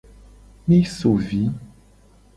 Mi so vi.